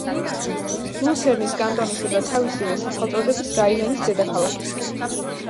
ლუცერნის კანტონისა და თავისივე სახელწოდების რაიონის დედაქალაქი.